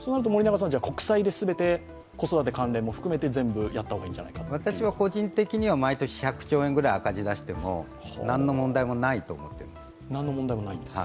国債で全て子育て関連も含めて全部やった方が私は個人的に１００兆円ぐらい赤字を出しても、何ら問題ないと思っています。